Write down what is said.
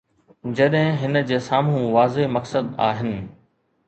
جڏهن هن جي سامهون واضح مقصد آهن.